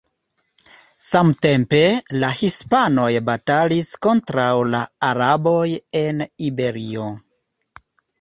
Samtempe, la hispanoj batalis kontraŭ la araboj en Iberio.